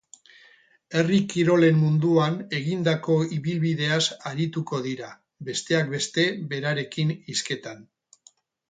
Herri kirolen munduan egindako ibilbideaz arituko dira, besteak beste, berarekin hizketan.